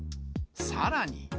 さらに。